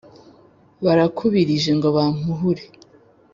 barakubirije ngo bampuhure.